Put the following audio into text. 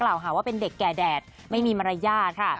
หาว่าเป็นเด็กแก่แดดไม่มีมารยาทค่ะ